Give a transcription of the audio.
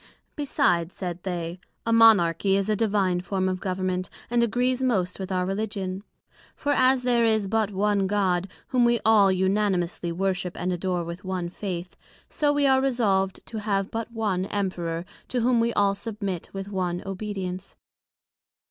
Besides, said they, a Monarchy is a divine form of Government, and agrees most with our Religion: For as there is but one God, whom we all unanimously worship and adore with one Faith; so we are resolved to have but one Emperor, to whom we all submit with one obedience.